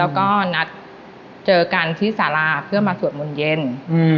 แล้วก็นัดเจอกันที่สาราเพื่อมาสวดมนต์เย็นอืม